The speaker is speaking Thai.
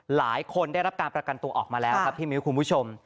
หลายคนได้รับการประกันตัวออกมาแล้วครับพี่มิ้วคุณผู้ชม